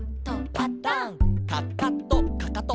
「パタン」「かかとかかと」